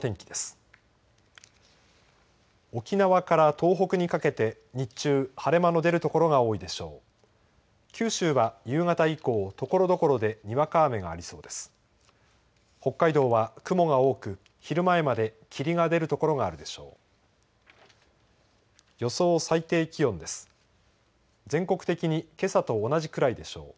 北海道は雲が多く、昼前まで霧が出るところがあるでしょう。